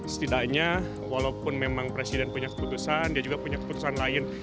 setidaknya walaupun memang presiden punya keputusan dia juga punya keputusan lain